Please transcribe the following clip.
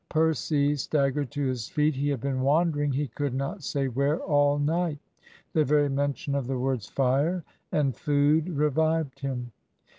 Percy staggered to his feet. He had been wandering, he could not say where, all night. The very mention of the words "fire" and "food" revived him.